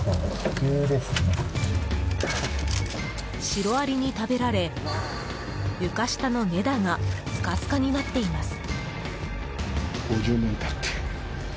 シロアリに食べられ床下の根太がスカスカになっています。